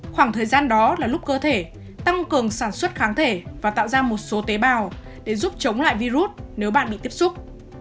khoảng thời gian đó là lúc cơ thể tăng cường sản xuất kháng thể và tạo ra một số tế bào để giúp chống lại virus nếu bạn bị tiếp xúc